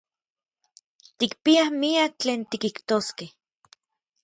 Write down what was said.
Tikpiaj miak tlen tikijtoskej.